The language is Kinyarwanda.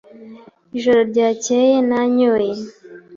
Ijoro ryakeye nanyoye .